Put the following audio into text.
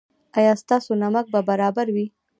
ایا ستاسو نمک به برابر وي؟